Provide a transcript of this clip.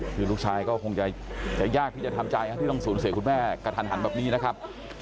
คือลูกชายก็คงจะยากที่จะทำใจที่ต้องสูญเสียคุณแม่กระทันหันแบบนี้นะครับ